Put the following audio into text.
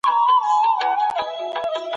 په بریالي څېړونکي کې د صفتونو شتون اړین دی.